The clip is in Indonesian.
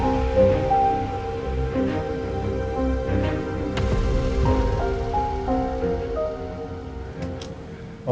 masa yang terakhir